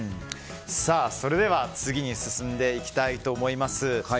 それでは次に進んでいきたいと思います。